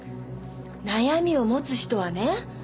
悩みを持つ人はね